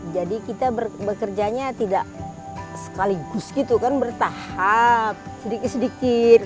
jadi kita bekerjanya tidak sekaligus gitu kan bertahap sedikit sedikit